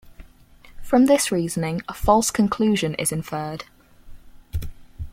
From this reasoning, a false conclusion is inferred.